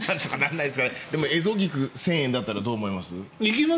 でもえぞ菊１０００円だったらどうします？